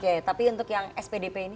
oke tapi untuk yang spdp ini